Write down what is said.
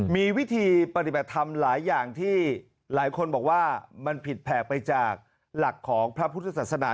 มีวิธีปฏิบัติธรรมหลายอย่างที่หลายคนบอกว่ามันผิดแผกไปจากหลักของพระพุทธศาสนา